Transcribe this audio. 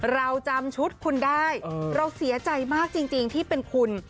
เราจำชุดคุณได้เราเสียใจมากจริงที่เป็นคุณ